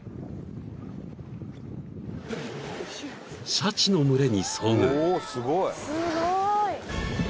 ［シャチの群れに遭遇］